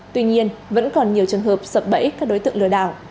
tuy nhiên vẫn còn nhiều trường hợp sập bẫy các đối tượng lừa đảo